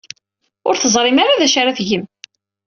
Ur teẓrim ara d acu ara tgem.